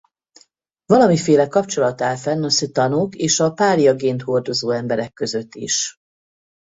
Valamiféle kapcsolat áll fenn a C’tan-ok és a Pária-gént hordozó emberek között is.